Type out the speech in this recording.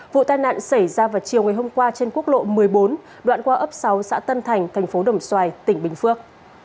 vụ tai nạn xảy ra vào chiều ngày hôm qua trên quốc lộ một mươi bốn đoạn qua ấp sáu xã tân thành thành phố đồng xoài tỉnh bình phước